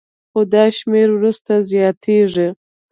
خو دا شمېر وروسته زیاتېږي